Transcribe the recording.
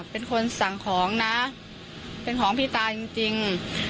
เป็นคนสั่งของนะเป็นของพี่ตาจริง